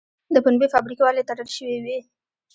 د پنبې فابریکې ولې تړل شوې وې؟